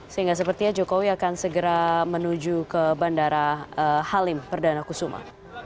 sehingga sepertinya jokowi akan segera menuju ke bandara halim perdana kusuma